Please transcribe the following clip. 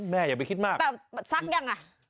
แม่อยากไปคิดมากแต่ซักยังหรือ